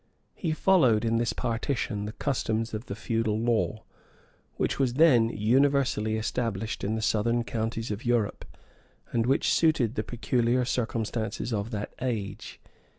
He followed, in this partition, the customs of the feudal law, which was then universally established in the southern countries of Europe, and which suited the peculiar circumstances of that age.